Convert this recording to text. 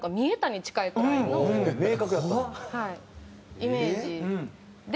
イメージで。